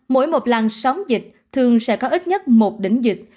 mỗi một làng sóng dịch thường sẽ có ít nhất một đỉnh dịch